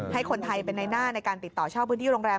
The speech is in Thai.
ให้คนไทยเป็นในหน้าในการติดต่อเช่าพื้นที่โรงแรม